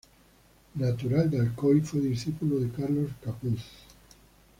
Natural de Alcoy, fue discípulo de Carlos Capuz.